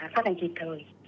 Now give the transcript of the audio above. phát hành kịp thời